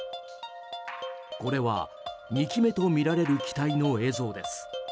これは２機目とみられる機体の映像です。